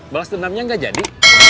balas dendamnya gak jadi